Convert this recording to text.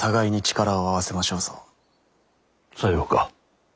さようか。